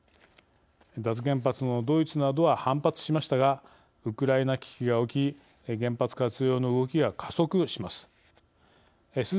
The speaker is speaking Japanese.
脱原発のドイツなどは反発しましたがウクライナ危機が起き原発活用の動きが加速します。